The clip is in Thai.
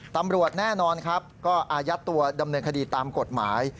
แน่นอนครับก็อายัดตัวดำเนินคดีตามกฎหมาย